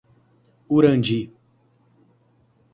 Urandi